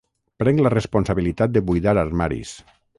Prenc la responsabilitat de buidar armaris.